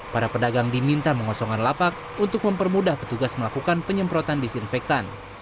para pedagang diminta mengosongkan lapak untuk mempermudah petugas melakukan penyemprotan disinfektan